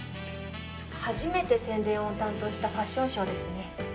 初めて宣伝を担当したファッションショーですね。